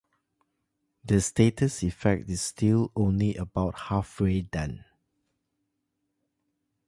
The status effect is still only about halfway done.